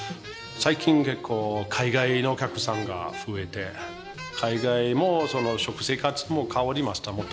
最近結構海外のお客さんが増えて海外もその食生活も変わりました。